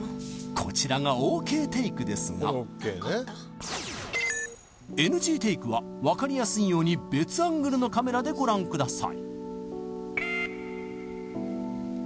こちらがＯＫテイクですがＮＧテイクは分かりやすいように別アングルのカメラでご覧ください